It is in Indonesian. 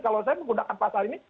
kalau saya menggunakan pasal ini